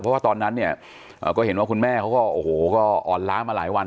เพราะว่าตอนนั้นเนี่ยก็เห็นว่าคุณแม่เขาก็โอ้โหก็อ่อนล้ามาหลายวัน